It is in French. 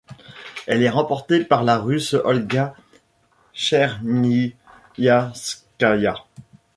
Elle est remportée par la Russe Olga Chernyavskaya.